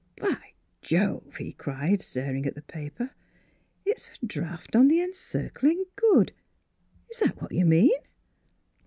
" By Jove !" he cried, staring at the paper ;" it's a draft on the Encircling Good. Is that what you mean.?